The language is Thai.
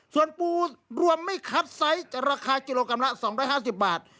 ส่วนปูรวมไม่คับไซส์จะราคากิโลกรัมละ๒๕๐บาท